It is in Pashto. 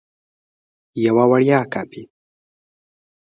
یوه وړیا کاپي